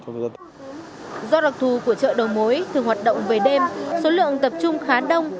do đặc thù của chợ đầu mối thường hoạt động về đêm số lượng tập trung khá đông